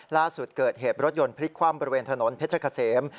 ล่าสุดเกิดเหตุรถยนต์พลิกคว่ำบริเวณถนนเพชรเกษม